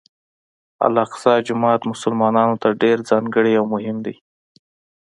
الاقصی جومات مسلمانانو ته ډېر ځانګړی او مهم دی.